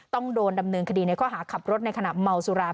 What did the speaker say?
ต้องโดนดำเนินคดีในข้อหาขับรถในขณะเมาสุรา